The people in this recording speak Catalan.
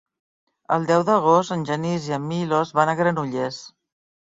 El deu d'agost en Genís i en Milos van a Granollers.